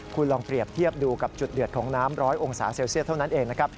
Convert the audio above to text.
คุณลองเปรียบเทียบดูกับจุดเดือดของน้ำร้อยองศาเซลเซียสเท่านั้นเองนะครับ